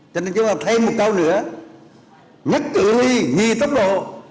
cho nên chúng ta học thêm một câu nữa nhất tự lý nghỉ tốc độ